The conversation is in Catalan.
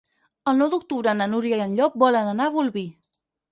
El nou d'octubre na Núria i en Llop volen anar a Bolvir.